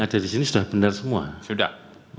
ada disini sudah benar semua sudah